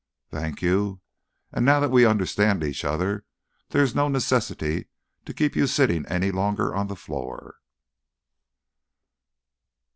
"Thank you. And now that we understand each other, there is no necessity to keep you sitting any longer on the floor."